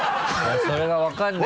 それが分からない。